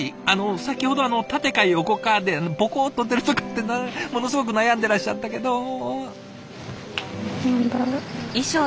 あの先ほど縦か横かでボコッと出るとかってものすごく悩んでらっしゃったけど。